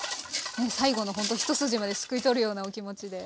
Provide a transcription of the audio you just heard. ね最後のほんと一筋まですくい取るようなお気持ちで。